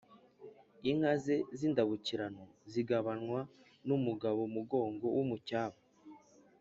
inka ze z'indabukirano zigabanwa n'umugabo mugongo w'umucyaba,